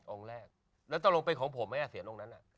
ตรงไปเป็นของผมไหมอ่ะเสียงหลงนั้น